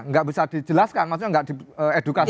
enggak bisa dijelaskan maksudnya enggak di edukasi